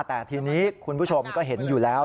แต่ทีนี้คุณผู้ชมก็เห็นอยู่แล้ว